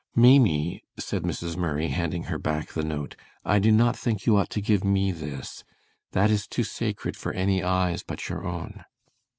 "Maimie," said Mrs. Murray, handing her back the note, "I do not think you ought to give me this. That is too sacred for any eyes but your own."